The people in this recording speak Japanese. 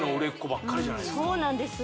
そうなんです